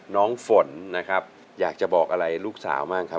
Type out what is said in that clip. น้องฝนนะครับอยากจะบอกอะไรลูกสาวบ้างครับ